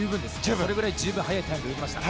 それくらい十分速いタイムで泳ぎました。